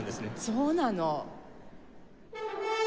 そうなの。